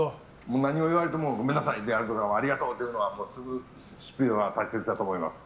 何を言われてもごめんなさいとありがとうと言うのはスピードが大切だと思います。